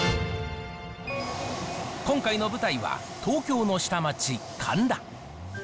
今回の舞台は、東京の下町、神田。